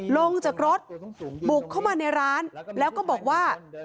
ลงจากรถบุกเข้ามาในร้านแล้วก็บอกว่า